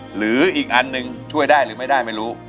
หรืออีกอันหนึ่งช่วยได้หรือไม่ได้ไม่รู้